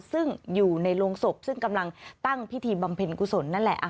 ซึ่งอยู่ในโรงศพซึ่งกำลังตั้งพิธีบำเพ็ญกุศลนั่นแหละ